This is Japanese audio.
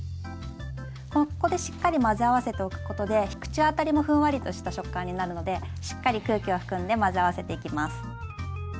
ここでしっかり混ぜ合わせておくことで口当たりもふんわりとした食感になるのでしっかり空気を含んで混ぜ合わせていきます。